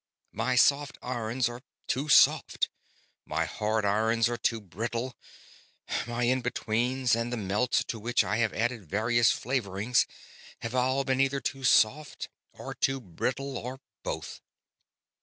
My soft irons are too soft, my hard irons are too brittle; my in betweens and the melts to which I added various flavorings have all been either too soft or too brittle, or both."